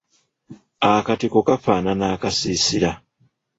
Akatiko kafaanana akasiisira.